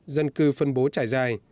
dân cư phân bố trải dài